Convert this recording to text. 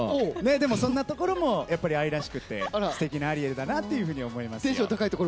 でも、そんなところも愛らしくてすてきなアリエルだなと思います。